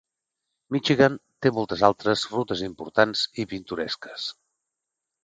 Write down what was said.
Michigan té moltes altres rutes importants i pintoresques.